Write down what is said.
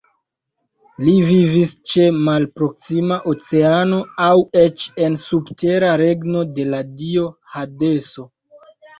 Li vivis ĉe malproksima Oceano aŭ eĉ en subtera regno de la dio Hadeso.